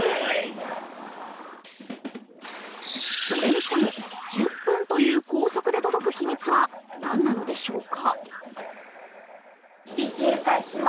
それにしても１０分という高速で届く秘密は何なのでしょうか。